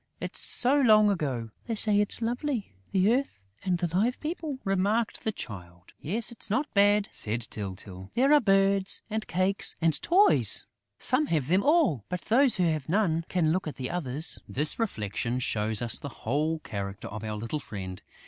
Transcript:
It's so long ago!" "They say it's lovely, the earth and the Live People!" remarked the Child. "Yes, it's not bad," said Tyltyl. "There are birds and cakes and toys.... Some have them all; but those who have none can look at the others!" This reflection shows us the whole character of our little friend.